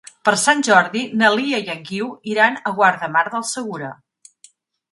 Per Sant Jordi na Lia i en Guiu iran a Guardamar del Segura.